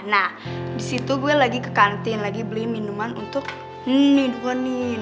nah disitu gue lagi ke kantin lagi beliin minuman untuk minuman nih